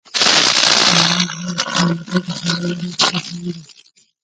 ځوانان د نوې ټکنالوژۍ د کارولو مخکښان دي.